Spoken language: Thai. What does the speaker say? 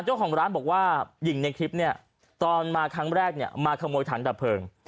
เจ้าของร้านบอกว่าหญิงในคลิปเนี่ยตอนมาครั้งแรกเนี่ยมาขโมยถังดับเพลิง